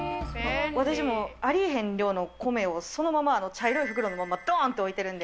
私もありえへん量の米をそのまま茶色い袋のまんま、どーんって置いてるんで。